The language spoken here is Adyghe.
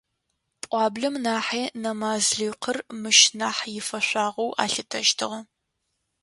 Пӏуаблэм нахьи нэмазлыкъыр мыщ нахь ифэшъуашэу алъытэщтыгъэ.